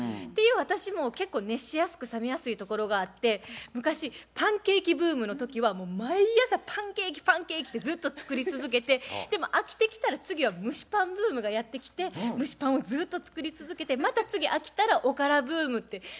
っていう私も結構熱しやすく冷めやすいところがあって昔パンケーキブームの時は毎朝パンケーキパンケーキってずっと作り続けてでも飽きてきたら次は蒸しパンブームがやってきて蒸しパンをずっと作り続けてまた次飽きたらおからブームって。